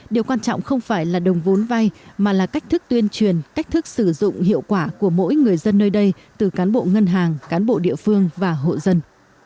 điều quan trọng không phải là đồng vốn vay mà là cách thức tuyên truyền cách thức sử dụng hiệu quả của mỗi người dân nơi đây từ cán bộ ngân hàng cán bộ địa phương và hộ dân